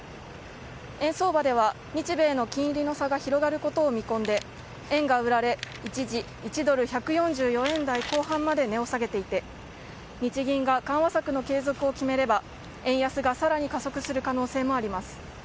円相場では、日米の金利の差が広がることを見込んで円が売られ一時１ドル１４４円台後半まで値を下げていて日銀が緩和策の継続を決めれば円安がさらに加速する可能性もあります。